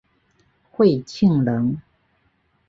讳庆仁。